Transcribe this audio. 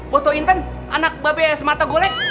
goto inten anak babes mata golek